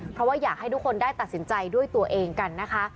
เพราะว่าอยากให้ทุกคนได้ตัดสินใจด้วยตัวเองกันนะคะ